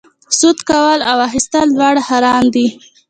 سود کول او اخیستل دواړه حرام دي